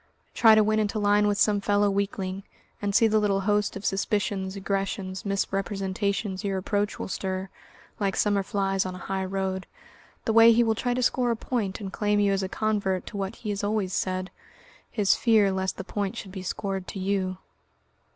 Try to win into line with some fellow weakling, and see the little host of suspicions, aggressions, misrepresentations, your approach will stir like summer flies on a high road the way he will try to score a point and claim you as a convert to what he has always said, his fear lest the point should be scored to you.